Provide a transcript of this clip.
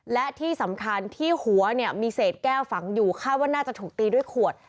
และที่สำคัญที่หัวเนี่ยมีเศษแก้วฝังอยู่คาดว่าน่าจะถูกตีด้วยขวด